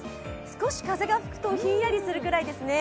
少し風が吹くとひんやりするくらいですね。